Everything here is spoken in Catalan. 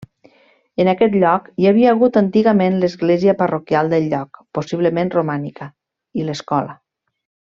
En aquest lloc hi havia hagut antigament l'església parroquial del lloc, possiblement romànica, i l'escola.